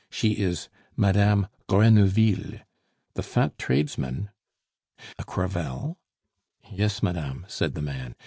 She is Madame Grenouville. The fat tradesman " "A Crevel?" "Yes, madame," said the man.